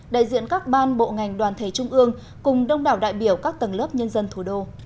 đại diện các ban bộ ngành đoàn thể trung ương cùng đông đảo đại biểu các tầng lớp nhân dân thủ đô